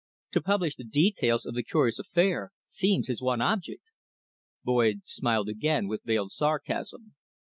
To publish the details of the curious affair seems his one object." Boyd smiled again with veiled sarcasm.